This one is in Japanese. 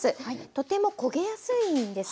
とても焦げやすいんです。